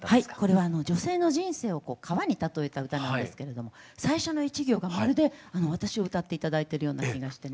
これは女性の人生を川に例えた歌なんですけれども最初の１行がまるで私を歌って頂いてるような気がしてね。